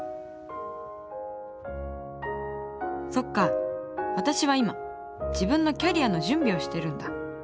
そっか私は今自分のキャリアの準備をしてるんだ。